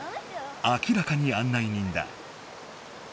明らかに案内人だ。